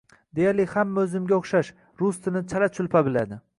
Deyarli hamma oʻzimga oʻxshash, rus tilini chala-chulpa biladi.